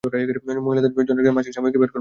মহিলাদের জন্য একটা মাসিক সাময়িকী বের করব ভাবছি।